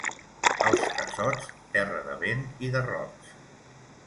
Els Casots, terra de vent i de rocs.